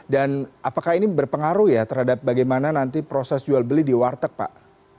dan apakah ini berpengaruh ya terhadap bagaimana nanti proses jual beli di warteg pak